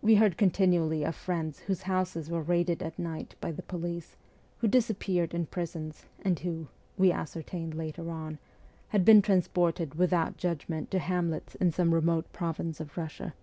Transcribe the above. We heard continually of friends whose houses were raided at night by the police, who disappeared in prisons, and who we ascertained later on had been transported without judgment to hamlets in some remote province of Bussia.